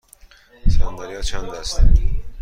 صندلی ها چند است؟